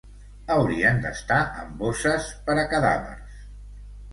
Haurien d'estar en bosses per a cadàvers.